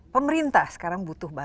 pemerintah sekarang butuhnya